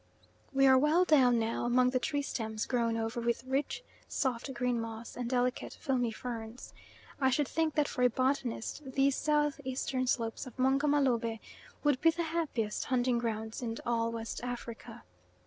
We are well down now among the tree stems grown over with rich soft green moss and delicate filmy ferns. I should think that for a botanist these south eastern slopes of Mungo Mah Lobeh would be the happiest hunting grounds in all West Africa.